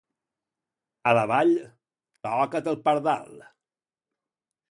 A la Vall, toca't el pardal